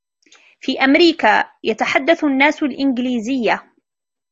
في أميركا ، يتحدث الناس الإنجليزية.